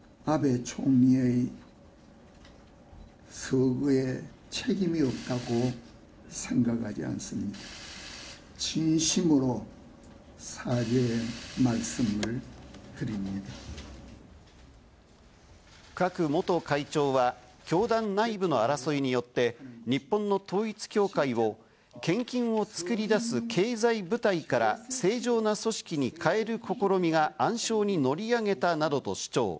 クァク元会長は教団内部の争いによって、日本の統一教会を献金を作り出す経済部隊から正常な組織に変える試みが暗礁に乗り上げたなどと主張。